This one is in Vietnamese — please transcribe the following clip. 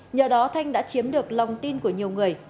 nhờ đó thanh đã chiếm được lòng tin của nhiều người